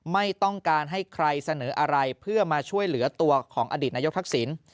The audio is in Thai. ไม่ต้องการให้ใครเสนออะไรเพื่อมาช่วยเหลือตัวของอดีตนายกทักษิณ